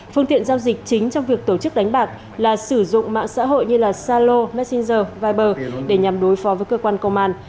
phương tiện giao dịch chính trong việc tổ chức đánh bạc là sử dụng mạng xã hội như salo messenger viber để nhằm đối phó với cơ quan công an